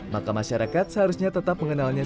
maka masyarakat seharusnya tetap mengenalnya